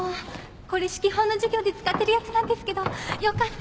これ指揮法の授業で使ってるやつなんですけどよかったら。